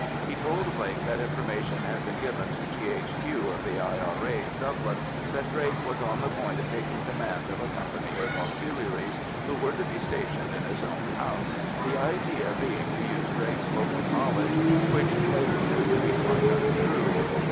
He told Blake that information had been given to the G.H.Q. of the I.R.A. in Dublin that Drake was on the point of taking command of a company of Auxiliaries who were to be stationed in his own house, the idea being to use Drake's local knowledge, which Blake knew to be quite untrue.